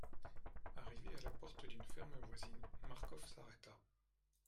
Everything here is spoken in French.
Arrivé à la porte d'une ferme voisine, Marcof s'arrêta.